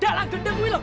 dalam gendeng itu